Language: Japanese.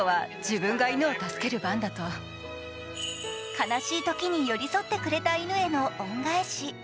悲しいときに寄り添ってくれた犬への恩返し。